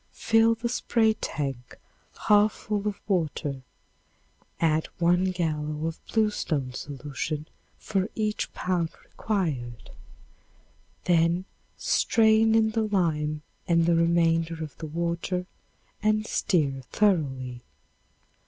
Fill the spray tank half full of water, add one gallon of bluestone solution for each pound required, then strain in the lime and the remainder of the water and stir thoroughly.